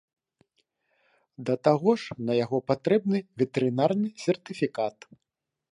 Да таго ж, на яго патрэбны ветэрынарны сертыфікат.